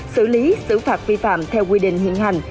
xử lý xử phạt vi phạm theo quy định hiện hành